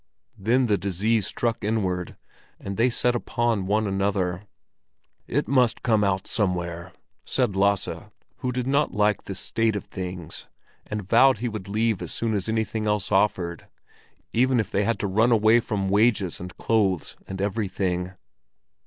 Then the disease struck inward, and they set upon one another. "It must come out somewhere," said Lasse, who did not like this state of things, and vowed he would leave as soon as anything else offered, even if they had to run away from wages and clothes and everything.